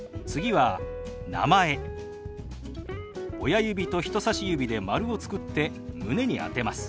親指と人さし指で丸を作って胸に当てます。